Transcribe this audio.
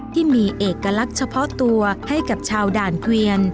ที่มีเอกลักษณ์เฉพาะตัวให้กับชาวด่านเกวียน